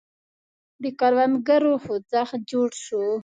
د کروندګرو خوځښت جوړ شو.